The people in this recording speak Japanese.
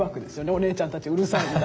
「お姉ちゃんたちうるさい」。